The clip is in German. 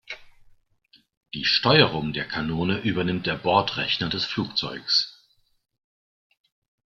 Die Steuerung der Kanone übernimmt der Bordrechner des Flugzeuges.